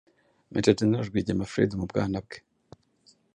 Major General Rwigema Fred: Mu bwana bwe,